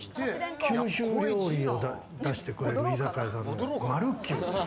九州料理を出してくれる居酒屋さんでマルキュウ。